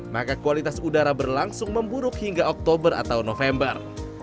maka kualitas udara berlangsung memburuk hingga oktober atau november